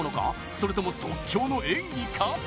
それとも即興の演技か？